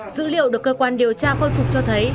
dữ liệu được cơ quan điều tra khôi phục cho thấy